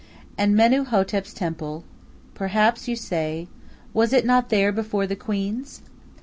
And Menu Hotep's temple, perhaps you say, was it not there before the queen's?